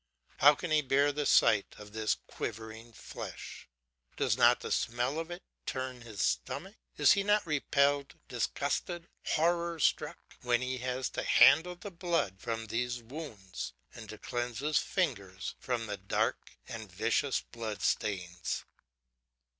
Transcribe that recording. how can he bear the sight of this quivering flesh? does not the very smell of it turn his stomach? is he not repelled, disgusted, horror struck, when he has to handle the blood from these wounds, and to cleanse his fingers from the dark and viscous bloodstains?